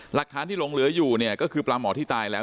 หลักฐานที่หลงเหลืออยู่เนี่ยก็คือปลาหมอที่ตายแล้ว